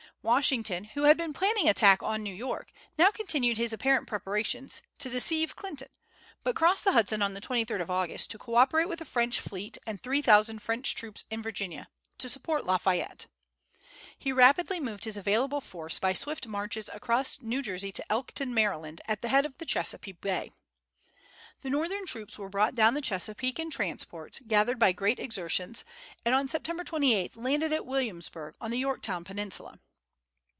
Washington, who had been planning an attack on New York, now continued his apparent preparations, to deceive Clinton, but crossed the Hudson on the 23d of August, to co operate with the French fleet and three thousand French troops in Virginia, to support La Fayette. He rapidly moved his available force by swift marches across New Jersey to Elkton, Maryland, at the head of Chesapeake Bay. The Northern troops were brought down the Chesapeake in transports, gathered by great exertions, and on September 28 landed at Williamsburg, on the Yorktown Peninsula.